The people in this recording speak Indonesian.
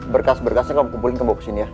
berkas berkasnya kamu kumpulin kamu bawa ke sini ya